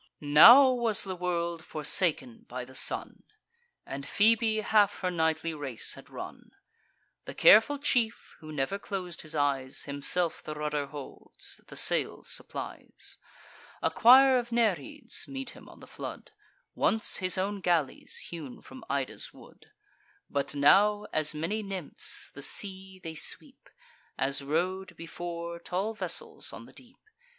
Now was the world forsaken by the sun, And Phoebe half her nightly race had run. The careful chief, who never clos'd his eyes, Himself the rudder holds, the sails supplies. A choir of Nereids meet him on the flood, Once his own galleys, hewn from Ida's wood; But now, as many nymphs, the sea they sweep, As rode, before, tall vessels on the deep.